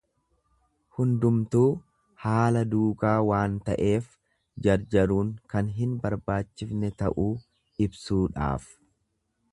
Hundumtuu haala duukaa waan ta'eef jarjaruun kan hin barbaachifne ta'uu ibsuudhaaf.